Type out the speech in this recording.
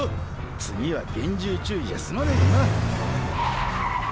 次は厳重注意じゃすまねぇかもな。